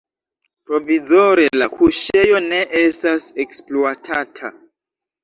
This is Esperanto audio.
Provizore la kuŝejo ne estas ekspluatata.